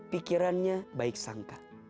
pikirannya baik sangka